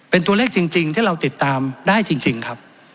เป็นตัวเลขจริงที่เราติดตามได้จริงครับ